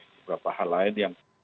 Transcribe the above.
beberapa hal lain yang